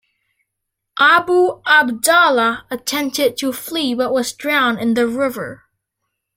Abu Abdallah attempted to flee but was drowned in the river.